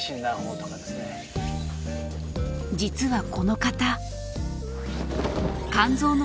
実はこの方。